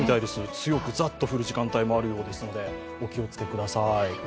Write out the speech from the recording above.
強くザッと降る時間帯もあるようでろのでお気をつけください。